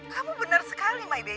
kamu benar sekali my bey